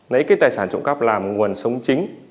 lấy cái tài sản trộm cắp làm nguồn sống chính